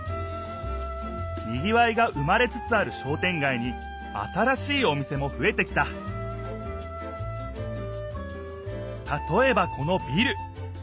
にぎわいが生まれつつある商店街に新しいお店もふえてきたたとえばこのビル。